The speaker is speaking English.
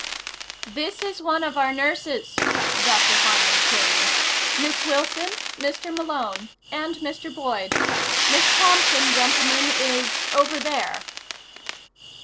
"This is one of our nurses," Dr. Harman put in. "Miss Wilson, Mr. Malone. And Mr. Boyd. Miss Thompson, gentlemen, is over there."